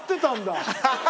アハハハ。